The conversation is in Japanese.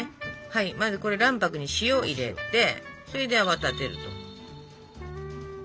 まず卵白に塩を入れてそれで泡立てると。